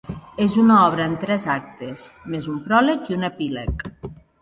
És una obra en tres actes, més un pròleg i un epíleg.